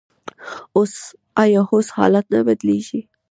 آیا اوس حالات نه بدلیږي؟